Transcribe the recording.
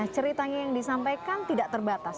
ceritanya yang disampaikan tidak terbatas